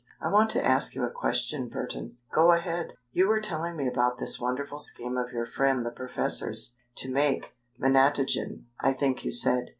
I want to ask you a question, Burton." "Go ahead." "You were telling me about this wonderful scheme of your friend the professor's, to make Menatogen, I think you said.